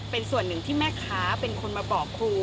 เป็นส่วนหนึ่งที่แม่ค้าเป็นคนมาบอกครู